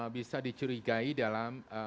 bisa dicurigai dalam